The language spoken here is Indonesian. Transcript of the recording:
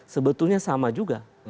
sebetulnya sama juga